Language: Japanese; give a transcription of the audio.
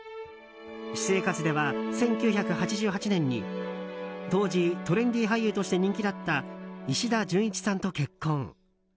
私生活では１９８８年に当時トレンディー俳優として人気だった石田純一さんと結婚。